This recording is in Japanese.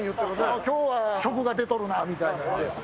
きょうは蜀が出とるなみたいな。